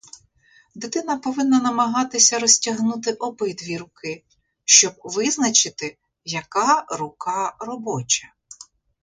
Дитина повинна намагатися розтягнути обидві руки, щоб визначити, яка рука "робоча".